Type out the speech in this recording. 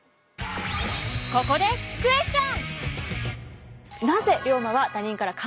ここでクエスチョン！